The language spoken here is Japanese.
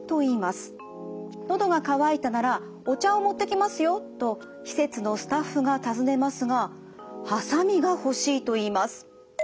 「のどが渇いたならお茶を持ってきますよ」と施設のスタッフが尋ねますがハサミがほしいと言います。